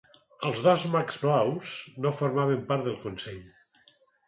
Els dos mags blaus no formaven part del consell.